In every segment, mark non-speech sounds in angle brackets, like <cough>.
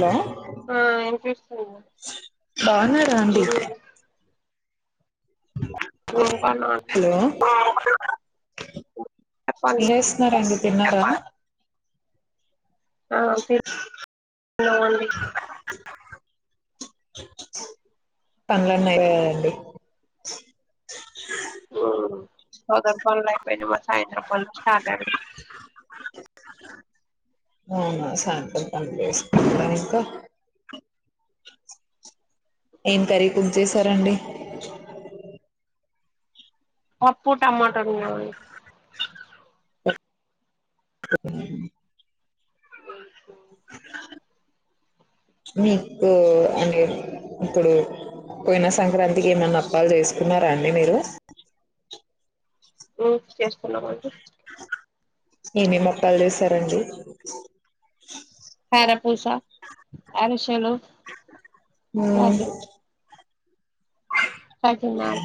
Hello ఆ ఏం చేస్తున్నవ్. బాగున్నారా అండి అ ప హె లేస్తున్నారా అండి తిన్నార ఆ తిన్నం ఆండి పనులన్నీ అయ్యయ అండి హు పదకొండుఅయిపోఇంది సాయంత్రం పనులు స్టార్ట్ అయినాయి అవునా సాయంత్రం పనులు చేసుకుంటున్నారా ఇప్పుడు ఇంకా ఏం కర్రీ కుక్ చేసారండి పప్పుూ టమాటో వండినామండి ప ఓకే మీకు అంటే ఇప్పుడు పోయినా సంక్రాంతికి ఏమన్నా అప్పాలు చేసుకున్నారా అండి మీరు హు చేస్తున్నా మండి ఏమే మప్పాలు చేస్తారండి కార పూసా అరిస్ శాలు మ్మ్ లడ్డులు సకినాలు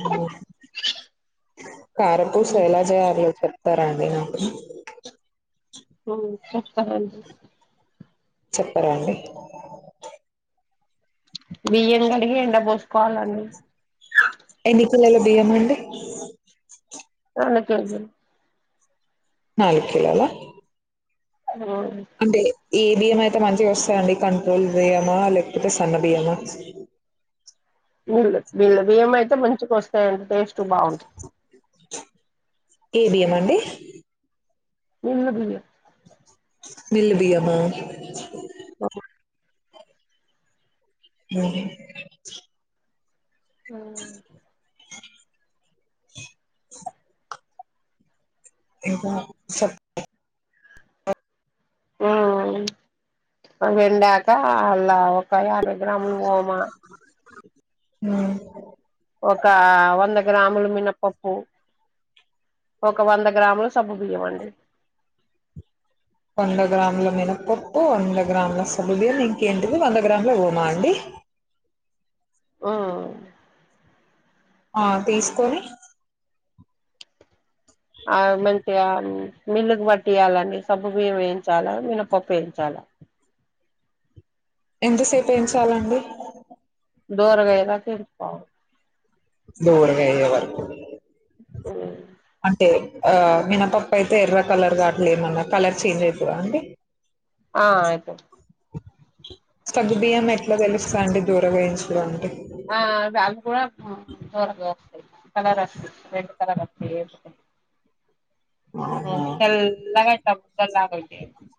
కార పూస ఎలా చేయాలి ఒకసారి చెప్ తార అండి నాకు హు చెప్తానండి చెప్పరా అండి బియ్యం కడిగి ఎండ పోసుకోవాలండి పిల్లలు బియ్యం అండి రెండు కేజీలు నాలుకిలోలా అ ఏ బియ్యం అయితే మంచిగా వస్తాదండి కంట్రోల్ బియ్యమా లేకపోతే స సన్న బియ్యమా మిల్లు మిల్లు బియ్యం అయితే మంచి గా వస్తాయి టేస్ట్ బాగుంటు ఏ బియ్యం అండి మీల్లు బియ్యం మిల్లు బియ్యమా అే ఆ ఇ స <unintelligible> అలా యాభై గ్రాములు ఓమా మ్మ్ ఒక వంద గ్రాములు మిన పప్పు ఒక వంద గ్రాములు సాగుబియం అండి వంద గ్రాముల మీద పప్పు వంద గ్రాముల స <unintelligible> ఇంక ఏంటిది వంద గ్రామ్ లో మడి ఆ ఆ తీసుకొని ఆ <unintelligible> మిల్లుకు పట్టియాలాండీ సగు బియ్యం వేయించాలా మినపప్పు వేయించాలా ఎంతసేపు వేయించాలా అండి అ దోరగా అయ్యేదాకా వేయించుకోవాలా దోరగా అయ్యేవర్కు మ్మ్ అంటే ఆ మినపప్ప అయితే ఎర్ర కలర్ అట్లా ఏమన కలర్ చేంజ్ అవుతుందా అండి ఆ ఆయితే సగ్గు బియ్యం ఎట్లా తెలుస్తు అండి దోరగా వేయించుడం అండి ఆ అవి కూడా దోరగా కలర్ <unintelligible> రెడ్ కలర్ అ <unintelligible> అవునా ఉమ్ తెల్లాగా <unintelligible>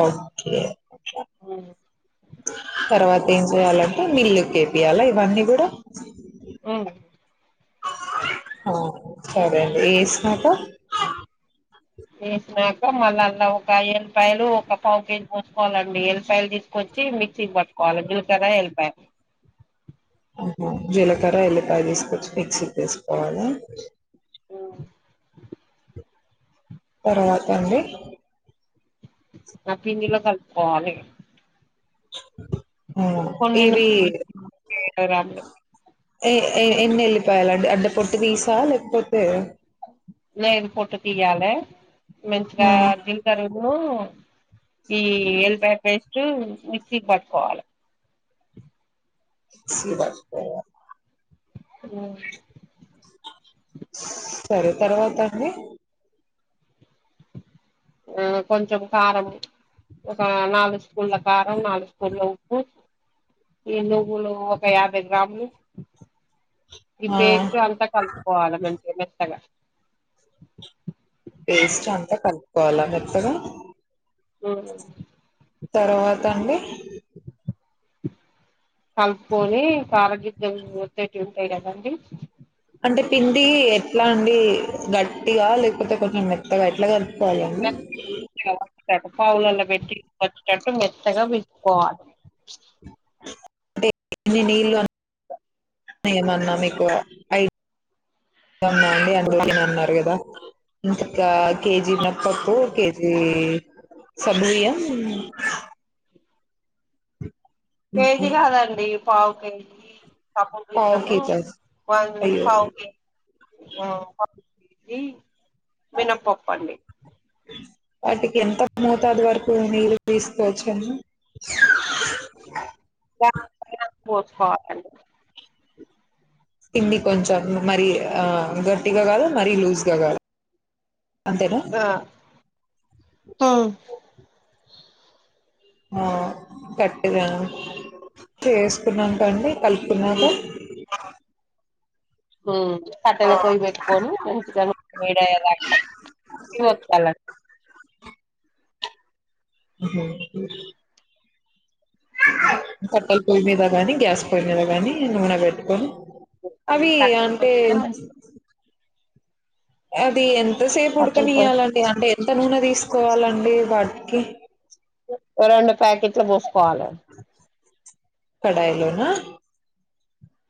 ఓకే మ్మ్ తర్వాత ఏం చెయాలంటే మిల్లు కేపియాలి ఇవన్నీ కూడా ఉమ్ ఆ సరే అండి వేసినాక వేసినాక మళ్ళ అలా ఒక ఎల్లిపాయలు ఒక పావు కేేజీ పోసుకోవాలండి ఎల్లిపాయలు తీసుకొచ్చి మిక్సీకి పట్టుకోవాలి జీలకర్ర ఎల్లిపాయలు. జీలకర్ర ఎల్లిపాయ తీసుకొచ్చి మిక్సీకి వేసుకోవాలి. ఉమ్ తరువాతండి ఆ పిండిలో కలుపుకోవాలి. <inaudible> కొన్ని ఇవి <unintelligible> ఏ ఏ ఎన్ని ఎళ్ళిపోయాలు అండి అంటే పొట్టు తీసా లేకపోతే. లేదు పోటో తీయాలే. మంచిగా హ్మ్ దింపరేమో. ఈ ఎల్ బపేష్ ఉమ్ మిక్సీ పట్టుకోవాలి. సీబక్ పో <unintelligible> సరే తర్వాత అండి. ఆ కొంచెం కారము ఒక నాలుగు స్పూన్ల కా అ నాలుగు స్పూన్ల ఉప్పు ఈ నువ్వులు ఒక యాభై గ్రాములు. ఈ ఆ పేస్ట్ అంతా కలుపుకోవాలి మం మెత్తగా పేస్ట్ అంతా కలుపుకోవాలా మెత్తగా. ఉమ్ తర్వాత అండి కలుపుకొని సారగితం ముతేట్టు ఏయ్ రవ్వండి అంటే పిండి ఎట్లా అండి గట్టిగా లేకపోతే కొంచెం మెత్తగా ఎట్లా కలుపు తోట్ తట్ట పావులలో పెట్టి వచ్చేటట్టు మెత్తగా పిసుకోవాలి. చ్ అంటే ఎన్ని నీళ్లు అ ఏమన్నా మీకు ఐ అవునా అండి అందులో ఏమన్నా అన్నారు కదా. ఇంకా కేజి మినప్పప్పు కేజీ. సబిలియం కేజీ కాదండి పావు కేజీ తప్పకే పావు కేజీ అయ్యో <unintelligible> ఇ మినపొప్పండి వాటికి ఎంత మోతాదు వరకు నీళ్ళు తీసుకోవచ్చ అండి ప <unintelligible> పాపలు కిన్ని కొంచెం మరి ఆ గట్టిగా కాదు మరీ లూజ్గా కాదు అంతేనా ఆ ఉ హుమ్ రా చేసుకున్నాకండి కల్పు కున్నాక కట్టెలా పోయి పెట్టుకని మంచిగా వేడి అయ్యేదాకా ఇవ్ ఒతలండి అ కట్టల పొయ్యి మీద గాని గ్యాస్ పొయ్యి మీద ని నూనె బెట్టుకొని అవీ కట్టెల అంటే పొయ్యి మీద మంచిగా అది ఎం ఎంతసేపు కట్టెల పొయ్యి ఉడకనియాలంటడి అంటే ఎంత నూనె తీసుకోవాలంటర్ లే వాట్కి రెండు ప్యాకెట్లు పోసుకోవాలే కడాయి లోనా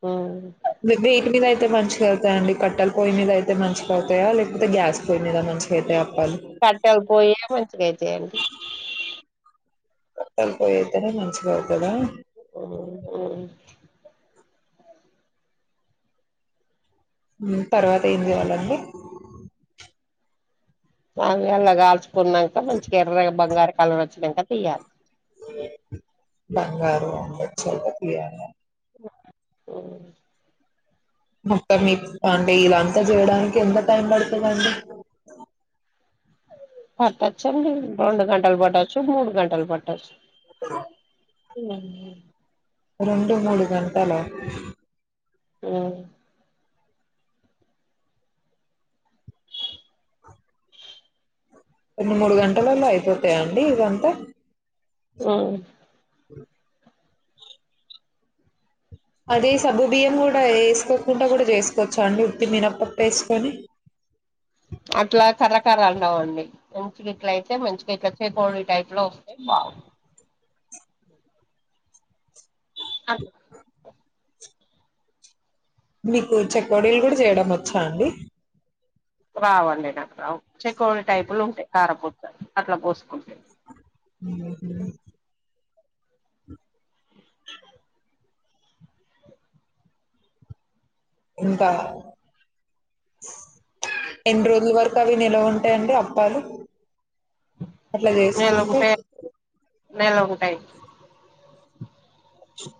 అవును ఇవి వేటి మీద అయితే మంచిగా అయ్తయండి కట్టె పొయ్యి మీద అయితే మంచిగా అవుతాయా లేకపోతే గ్యాస్ పొయ్యి మీద మంచిగా అయితాయా అప్పాలు? కట్టెల్ పొయ్యే మంచిగ అయితాయ్ కట్టెల పోయి అయితేనే మంచిగా అవుతదా ఆ తర్వాత ఏం చేయాలండి అంగల్లా గాల్చ్ కున్నంక మంచిగా ఎర్రగా బంగారు కలర్ వచ్చినంక ఇగ బంగారు వచాక తియ్యల మొత్తం మీ అంటే ఇలా అంతా చేయడానికి ఎంత టైం పడతదండి అ రెండు గంటలు పటొచ్ మూడు గంటలు పటొచ్ ఇ రెండు మూడు గంటల హుమ్ రెండు మూడు గంటలల్లో అయిపోతాయండి ఇగంతే హుమ్ కు అదీ సగ్గు బియ్యం కూడా ఏసుకోకుండా కూడా చేసుకోవచ్చా అండి ఉత్తి మినపప్పు ఏసుకొని అట్లా కర్రకర్ర అంట ఉంటాయ్ ఇట్ల అయితే మంచిగా కచ్చె కోడి టైప్ లో వస్తాయ్ బాగ అ మీకు చెకువడీలు కూడా చేయడం వచ్చా అండి రావ్ అండి నాకు చెకోవడి టైపులు ఉంటాయి కారపూట్ అట్లా పోసుకుంటె హమ్ ఇంకా ఎన్ని రోజుల వరకు అవి నిల్వ ఉంటాయండి అప్పాలు అట్లా చేసుకుంటే నెల ఉంటాయి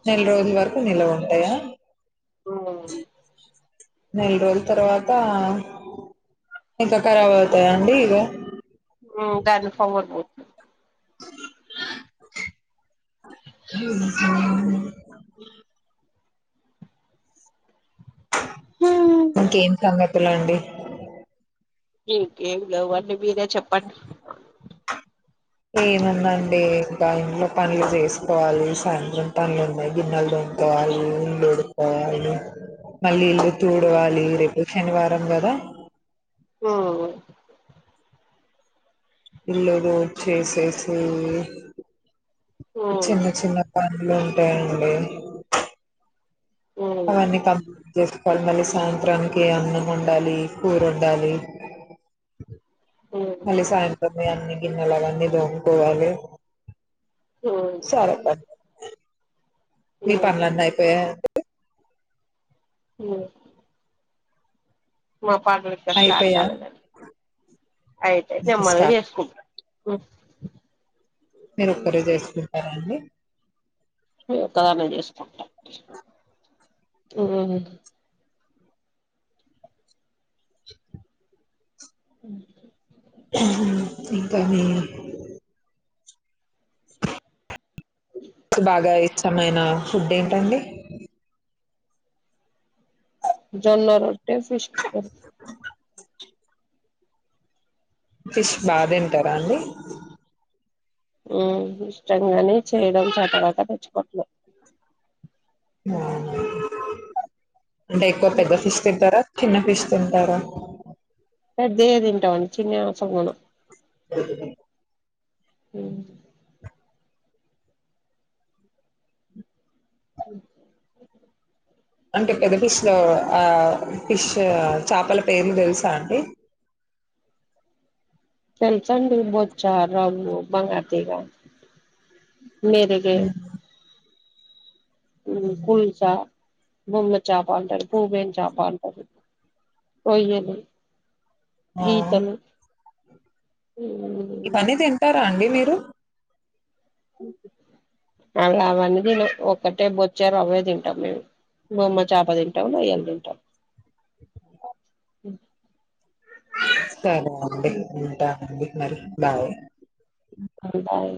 నెల రోజుల వరకు నిలవ ఉంటాయా నెల్ రోజ తర్వాత అ ఇంకా ఖరాబ్ అవుతాయిండి ఇగ హమ్ దాన్ని <unintelligible> పోస్తారు ఇంకేం సంగ లా అండి ఇంకేం లేవ అండి మీరే చెప్పన్ ఏనుందండి ఇంకా ఇంట్లో పనులు చేసుకోవాలి సాయంత్రం పనులు ఉన్నాయి గిన్నెలు దొంగకోవాలి ఇల్లు ఉడుకోవాలి మళ్ళీ ఇల్లు తూడవాలి రేపు ఏ శనివారం కదా హమ్ <unintelligible> చేసేసి చిన్న చిన్న అలుంటాయండి అవన్నీ క చేసుకోవాలి మళ్ళీ సాయంత్రానికి అన్నం ఉండాలి కూర ఉండాలి మళ్ళ సాయంత్రమే అన్ని గిన్నెలు అవన్నీ తోము కోవాలి సరే మీ పనులన్నీ అయిపోయా ఆ అండి హమ్ మా పాటలు ఇక్కడ అయిపోయా స్టడగాలదండి ఆయితయితే చెమ్మల్ స్టార్ట్ చేసుకోడి హమ్ మీరు ఒక్కరే చేసుకుంటారండి నేను ఒక్కదాన్నే చేసుకుంటా ఉ ఉ ఇంకా మీరు బాగా ఇష్టమైన ఫుడ్ ఏంటండి జొన్న రోట్టే ఫీష్ కర్రీ ఫిష్ బాగా తింటారా అండి మ్ ఇష్టంగానే చేయడం ఆ తరువాత తెచ్చుకోవటమే ఆ అంటే ఎక్కువ ఒక పెద్ద ఫిష్ తింటారా చిన్న ఫిష్ తింటారా పెద్దవే తింటాం అండి చిన్నవీ అవసరం లేదు సరే చెప్పండి ఉ ఉ అంటే పెద్ద ఫిష్ లో ఆ ఫిష్ చాపల పేర్లు తెలుసా అండి తెలుసండి బొచ్చా రంగు బంగారు తీగ మెరుగే హ్మ్. కుల్సా బొమ్మ చాప అంటారు భూవెన్ చాప అంటారు రోయ్యలు ఆ పీతలు ఉ ఇవన్నీ తింటారా అండి మీరు అవి అవన్నీ తినం ఒక్కటే బొచ్చేలు అవే తింటాం మేము బొమ్మ చాప తింటాం రోయ్యలు తింటాం సరే ఓకే ఉంటానండి మరి బాయ్ బాయ్